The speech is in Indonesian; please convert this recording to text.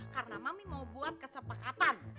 karena mami mau buat kesepakatan